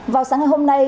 vào sáng ngày hôm nay